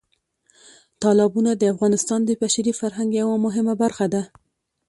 تالابونه د افغانستان د بشري فرهنګ یوه مهمه برخه ده.